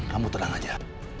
kamu terang aja